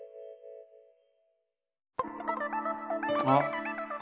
あっ！